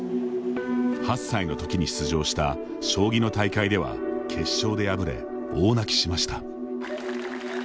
８歳のときに出場した将棋の大会では決勝で敗れ大泣きしました。